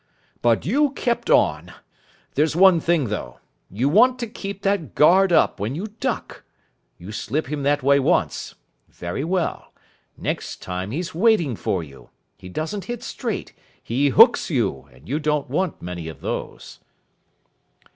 But you kept on. There's one thing, though, you want to keep that guard up when you duck. You slip him that way once. Very well. Next time he's waiting for you. He doesn't hit straight. He hooks you, and you don't want many of those."